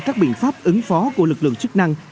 các biện pháp ứng phó của lực lượng chức năng